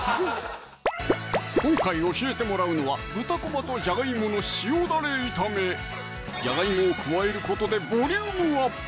今回教えてもらうのは「豚こまとじゃがいもの塩ダレ炒め」じゃがいもを加えることでボリュームアップ！